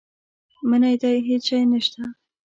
منی دی هېڅ شی نه شته.